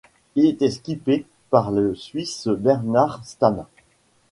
Il était skippé par le Suisse Bernard Stamm.